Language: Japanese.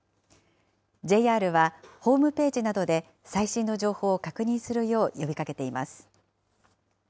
ＪＲはホームページなどで最新の情報を確認するよう呼びかけています。